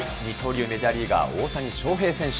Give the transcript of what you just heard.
二刀流メジャーリーガー、大谷翔平選手。